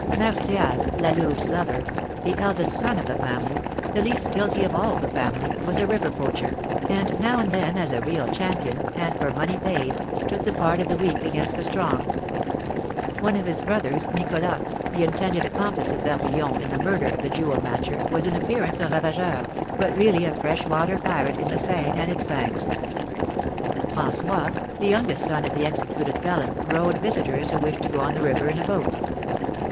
Martial (La Louve's lover), the eldest son of the family, the least guilty of all the family, was a river poacher, and now and then, as a real champion, and for money paid, took the part of the weak against the strong. One of his brothers, Nicholas, the intended accomplice of Barbillon in the murder of the jewel matcher, was in appearance a ravageur, but really a freshwater pirate in the Seine and its banks. François, the youngest son of the executed felon, rowed visitors who wished to go on the river in a boat.